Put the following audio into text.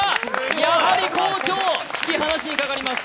やはり好調、引き離しにかかります。